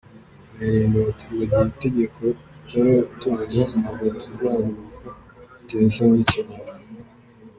Baririmba bati “Mu gihe itegeko ritaratorwa, ntabwo tuzaruhuka, biteye isoni n’ ikimwaro.